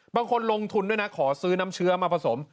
บางคนลงทุนด้วยนะขอซื้อน้ำเชื้อมาผสม